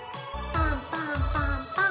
パンパンパンパン。